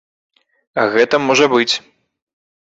А гэта можа быць.